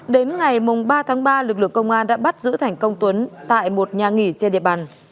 đến ngày ba tháng ba lực lượng công an đã bắt giữ thành công tuấn tại một nhà nghỉ trên địa bàn